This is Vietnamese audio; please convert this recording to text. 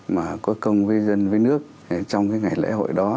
mà có công với dân với nước trong cái ngày lễ hội đó